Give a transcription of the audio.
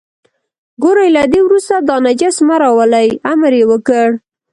ګورئ له دې وروسته دا نجس مه راولئ، امر یې وکړ.